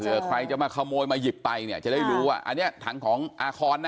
ใครจะมาขโมยมาหยิบไปเนี่ยจะได้รู้ว่าอันนี้ถังของอาคอนนะ